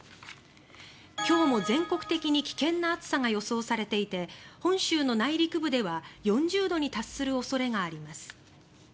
今日も全国的に危険な暑さが予想されていて本州の内陸部では４０度に達する恐れがあります。